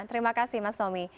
terima kasih mas tommy